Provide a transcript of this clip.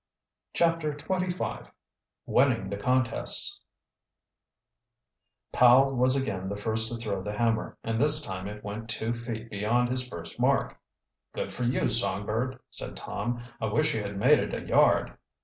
CHAPTER XXV WINNING THE CONTESTS Powell was again the first to throw the hammer and this time it went two feet beyond his first mark. "Good for you, Songbird!" said Tom. "I wish you had made it a yard."